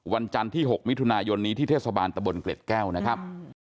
วันจันทร์ที่๖มิถุนายนนี้ที่เทศบาลตะบนเกล็ดแก้วนะครับ